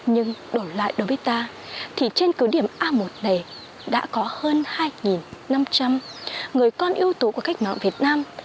nhưng đổi lại đối với ta thì trên cứ điểm a một này đã có hơn hai năm trăm linh người con yếu tố của cách mạng việt nam